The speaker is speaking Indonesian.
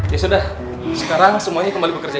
ya sudah sekarang semuanya kembali bekerja